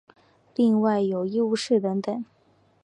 另外有医务室等等。